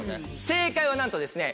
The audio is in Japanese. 正解はなんとですね